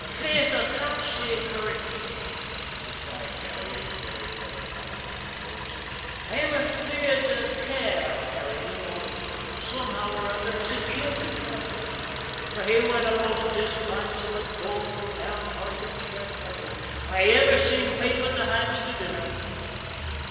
"Faith, I can't say corrictly," replied Garry in a very melancholy tone of voice. "I'm afeard care carried him off, somehow or other, as it killed the cat, for he war the most disconsolate, doleful, down hearted chap I ivver saw piping the hands to dinner.